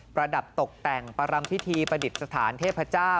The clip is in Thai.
ระดับตกแต่งประรำพิธีประดิษฐานเทพเจ้า